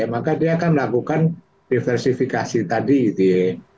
maka dia akan melakukan diversifikasi tadi gitu ya